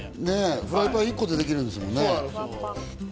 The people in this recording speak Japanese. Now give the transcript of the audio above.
フライパン一個でできるんだもんね。